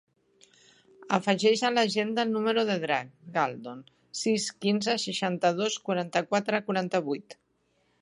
Afegeix a l'agenda el número del Drac Galdon: sis, quinze, seixanta-dos, quaranta-quatre, quaranta-vuit.